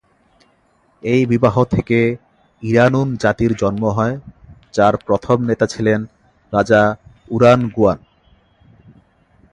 এই বিবাহ থেকে ইরানুন জাতির জন্ম হয় যার প্রথম নেতা ছিলেন রাজা উরানগুওয়ান।